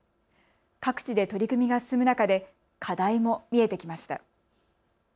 各地で取り組みが進む中で課題も見えてきました。